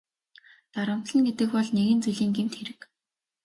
Дарамтална гэдэг бол нэгэн зүйлийн гэмт хэрэг.